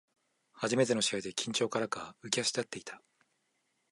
初めての試合で緊張からか浮き足立っていた